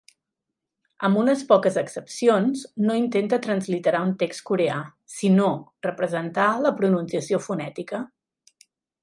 Amb unes poques excepcions, no intenta transliterar un text coreà, sinó representar la pronunciació fonètica.